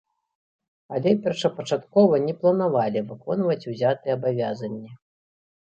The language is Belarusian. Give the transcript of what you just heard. Але першапачаткова не планавалі выконваць узятыя абавязанні.